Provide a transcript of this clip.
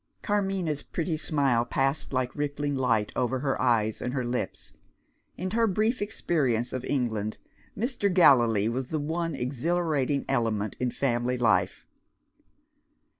Carmina's pretty smile passed like rippling light over her eyes and her lips. In her brief experience of England, Mr. Gallilee was the one exhilarating element in family life.